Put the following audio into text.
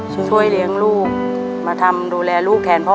ช่วยเลี้ยงลูกมาทำดูแลลูกแทนพ่อ